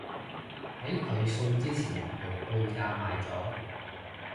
喺佢送之前用半價買咗